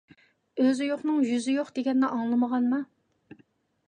ئۆزى يوقنىڭ يۈزى يوق دېگەننى ئاڭلىمىغانما؟